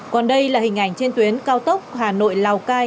còn đây là hình ảnh trên tuyến cao tốc hà nội lào cai